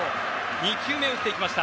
２球目を打っていきました。